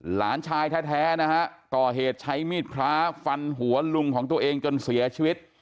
หลานชายแท้นะฮะก่อเหตุใช้มีดพระฟันหัวลุงของตัวเองจนเสียชีวิต